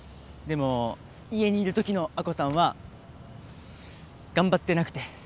でも家にいる時の亜子さんは頑張ってなくて。